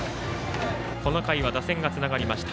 この回は打線がつながりました。